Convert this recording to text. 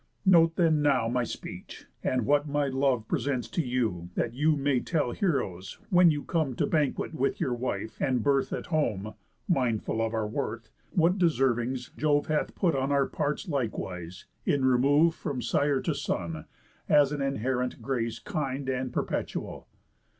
Note then now My speech, and what my love presents to you, That you may tell heroës, when you come To banquet with your wife and birth at home, (Mindful of our worth) what deservings Jove Hath put on our parts likewise, in remove From sire to son, as an inherent grace Kind, and perpetual.